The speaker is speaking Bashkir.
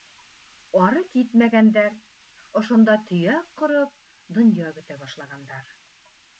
Ары китмәгәндәр, ошонда төйәк ҡороп, донъя көтә башлағандар.